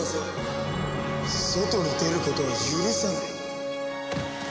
外に出ることは許さない。